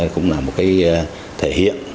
cũng là một thể hiện